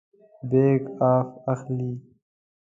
بیک اپ اخلئ؟